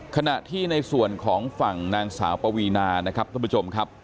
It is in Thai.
ขณะที่ในส่วนของฝั่งนางสาวปวีนานะครับท่านผู้ชมครับ